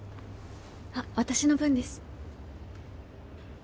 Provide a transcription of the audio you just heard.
あっ私の分です。